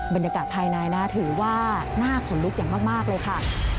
บรรยากาศภายในนะถือว่าน่าขนลุกอย่างมากเลยค่ะ